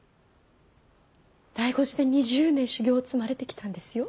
醍醐寺で２０年修行を積まれてきたんですよ。